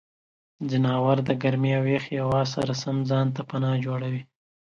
ځناور د ګرمې او یخې هوا سره سم ځان ته پناه جوړوي.